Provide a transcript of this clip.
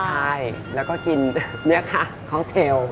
ใช่แล้วก็กินเนี่ยค่ะคอลโกนเชลล์